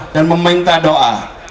dan meminta doa